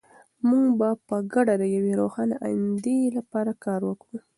موږ به په ګډه د یوې روښانه ایندې لپاره کار وکړو.